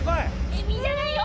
えびじゃないよ